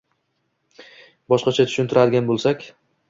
Boshqacha tushuntiradigan bo‘lsak